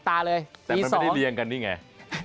แต่อันนี้ไม่ได้เหรียญกันเนี่ย